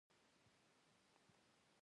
د سپورت سامانونه اوس په کابل کې جوړیږي.